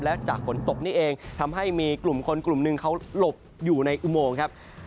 และจากฝนตกนี่เองทำให้มีกลุ่มคนกลุ่มหนึ่งเขาหลบอยู่ในอุโมงครับ